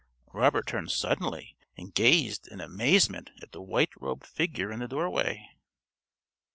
Robert turned suddenly, and gazed in amazement at the white robed figure in the doorway.